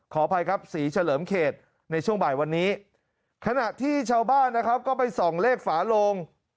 ขออภัยครับศรีเฉลิมเขตในช่วงบ่ายวันนี้ขณะที่ชาวบ้านนะครับก็ไปส่องเลขฝาโลง